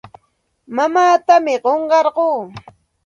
Mamaatam qunqarquu.